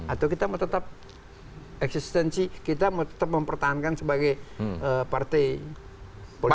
atau kita mau tetap eksistensi kita tetap mempertahankan sebagai partai politik